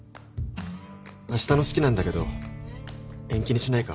あしたの式なんだけど延期にしないか？